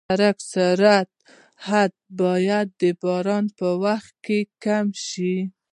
د سړک سرعت حد باید د باران په وخت کم شي.